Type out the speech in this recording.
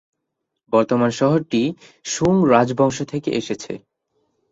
বর্তমান শহরটি সুং রাজবংশ থেকে এসেছে।